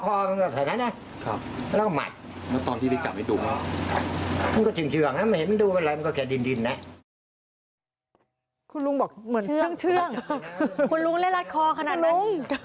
คุณลุงเล่นรัดคอขนาดนั้น